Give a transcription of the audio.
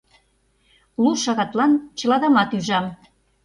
Лу шагатлан чыладамат ӱжам.